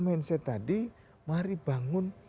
mindset tadi mari bangun